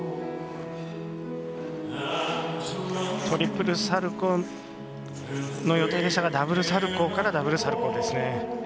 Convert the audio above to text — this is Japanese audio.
トリプルサルコーの予定でしたがダブルサルコーからダブルサルコーですね。